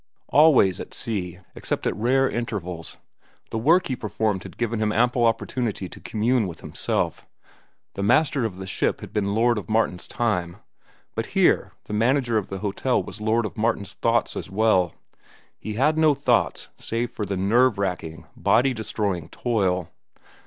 Always, at sea, except at rare intervals, the work he performed had given him ample opportunity to commune with himself. The master of the ship had been lord of Martin's time; but here the manager of the hotel was lord of Martin's thoughts as well. He had no thoughts save for the nerve racking, body destroying toil.